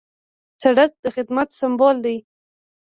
سړک د خدمت سمبول دی.